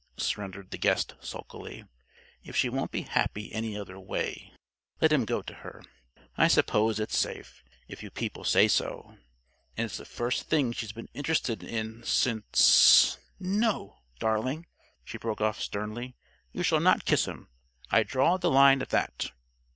surrendered the guest, sulkily. "If she won't be happy any other way, let him go to her. I suppose it's safe, if you people say so. And it's the first thing she's been interested in, since No, darling," she broke off, sternly. "You shall not kiss him! I draw the line at that.